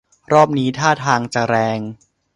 รอบนี้ท่าทาง จะแรง